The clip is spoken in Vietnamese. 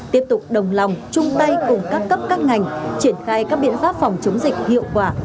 tiếp tục đồng lòng chung tay cùng các cấp các ngành triển khai các biện pháp phòng chống dịch hiệu quả